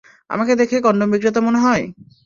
আমাকে দেখে কনডম-বিক্রেতা মনে হয়?